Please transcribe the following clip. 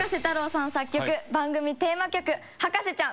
さん作曲番組テーマ曲『博士ちゃん』